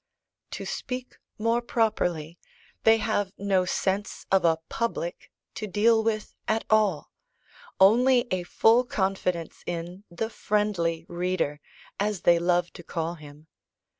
To speak more properly, they have no sense of a "public" to deal with, at all only a full confidence in the "friendly reader," as they love to call him.